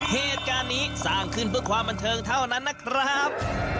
เหตุการณ์นี้สร้างขึ้นเพื่อความบันเทิงเท่านั้นนะครับ